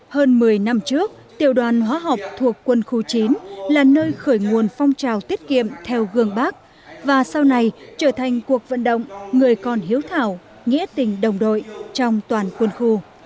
hơn một mươi năm trước tiểu đoàn hóa học thuộc quân khu chín là nơi khởi nguồn phong trào tiết kiệm theo gương bác và sau này trở thành cuộc vận động người con hiếu thảo nghĩa tình đồng đội trong toàn quân khu